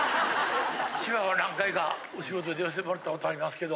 千葉は何回かお仕事で寄せてもらった事ありますけど。